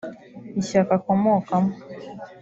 Ishyaka akomokamo